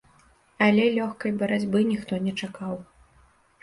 Але лёгкай барацьбы ніхто не чакаў.